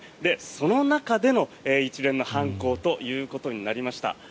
その中での一連の犯行ということになりました。